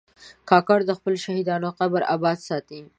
کاکړ د خپلو شهیدانو قبرونه آباد ساتي.